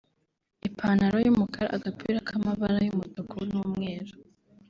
ipantaro y’umukara (agapira k’amabara y’umutuku n’umweru)